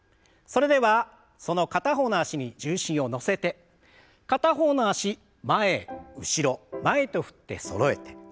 それではその片方の脚に重心を乗せて片方の脚前後ろ前と振ってそろえて。